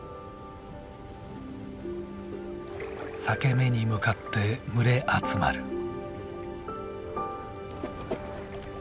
裂け目に向かって群れ集まる。